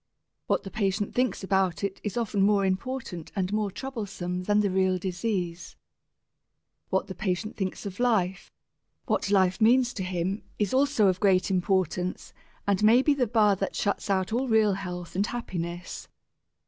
What the patient thinks about it is often more important and more troublesome than the real disease. What the patient thinks of life, what life means to him is also of great importance and may be the bar that shuts out all real health and happiness.